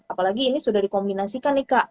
apalagi ini sudah dikombinasikan nih kak